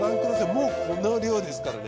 もうこの量ですからね。